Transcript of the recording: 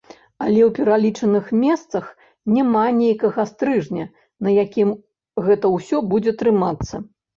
Але ў пералічаных месцах няма нейкага стрыжня, на якім гэта ўсё будзе трымацца.